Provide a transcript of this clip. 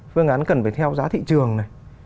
phương án cần phải theo giá thị trường này